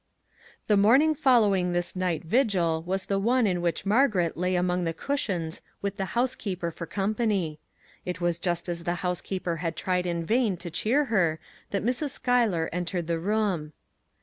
The morning following this night vigil was the one in which Margaret lay among the cush ions with the housekeeper for company. It was just as the housekeeper had tried in vain to cheer her that Mrs. Schuyler entered the room.